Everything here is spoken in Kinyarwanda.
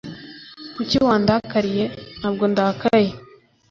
Kuki wandakariye?" "Ntabwo ndakaye!"